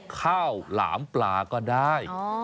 ข้าวหลามปลาก็ได้